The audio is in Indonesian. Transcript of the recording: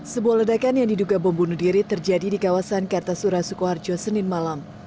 sebuah ledakan yang diduga bom bunuh diri terjadi di kawasan kartasura sukoharjo senin malam